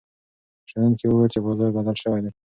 شنونکي وویل چې بازار بدل شوی دی.